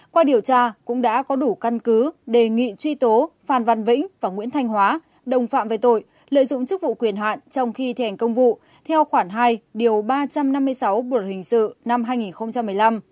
qua điều tra cũng đã có đủ căn cứ đề nghị truy tố phan văn vĩnh và nguyễn thanh hóa đồng phạm về tội lợi dụng chức vụ quyền hạn trong khi thi hành công vụ theo khoản hai điều ba trăm năm mươi sáu bộ luật hình sự năm hai nghìn một mươi năm